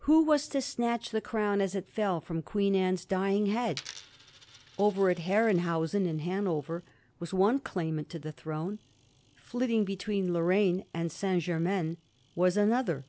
Who was to snatch the crown as it fell fix)m Queen's Anne's dying head? Over at Herrenhausen in Hanover was one claimant to the throne; flitting between LorraLue and St. Grermams was another.